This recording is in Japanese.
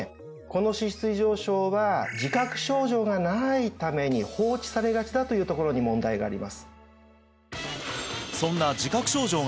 この脂質異常症は自覚症状がないために放置されがちだというところに問題があります